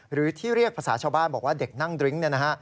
หรือที่เรียกภาษาชาวบ้านบอกว่าเด็กนั่งดริ้ง